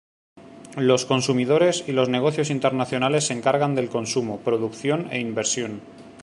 Los consumidores y los negocios internacionales se encargan del consumo, producción e inversión.